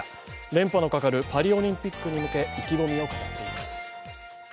連覇のかかるパリオリンピックに向け意気込みを語っています。